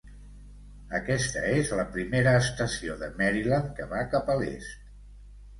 Aquesta és la primera estació de Maryland que va cap a l'est.